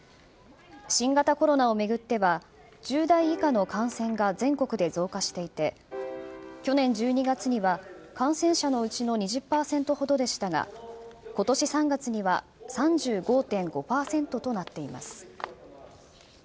新型コロナを巡っては１０代以下の感染が全国で増加していて去年１２月には感染者のうちの２０％ほどでしたが今年３月には３５．５％となっています。